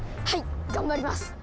はい頑張ります！